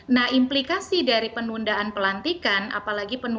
nah implikasi dari penundaan pelantikan